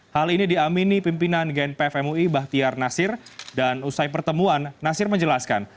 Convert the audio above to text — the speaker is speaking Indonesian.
hal ini diamini pimpinan gnpf mui bahtiar nasir dan usai pertemuan nasir menjelaskan